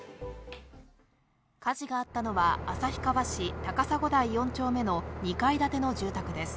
火事があったのは旭川市高砂台４丁目の２階建ての住宅です。